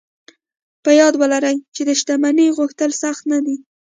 په یاد و لرئ چې د شتمنۍ غوښتل سخت نه دي